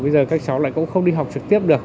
bây giờ các cháu lại cũng không đi học trực tiếp được